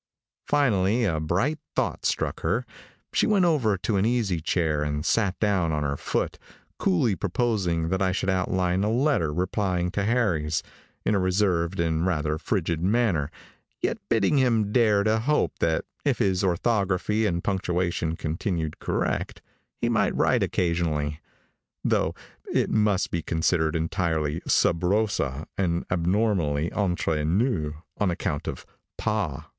Finally a bright thought struck her. She went over to an easy chair, and sat down on her foot, coolly proposing that I should outline a letter replying to Harry's, in a reserved and rather frigid manner, yet bidding him dare to hope that if his orthography and punctuation continued correct, he might write occasionally, though it must be considered entirely sub rosa and abnormally entre nous on account of "Pa."